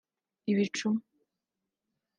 ibicuma